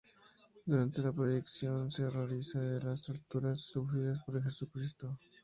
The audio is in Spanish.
Durante la proyección se horroriza de las torturas sufridas por Jesucristo.